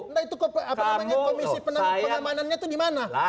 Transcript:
nah itu komisi pengamanannya itu di mana